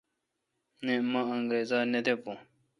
نہ مہ انگرزا نہ دے بھو۔